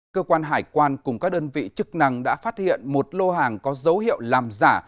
cơ quan hải quan cùng các đơn vị chức năng đã phát hiện một lô hàng có dấu hiệu làm giả